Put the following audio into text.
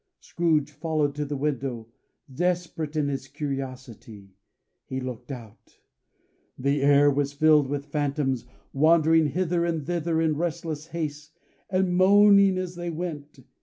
Scrooge followed to the window; desperate in his curiosity. He looked out. The air was filled with phantoms, wandering hither and thither in restless haste, and moaning as they went.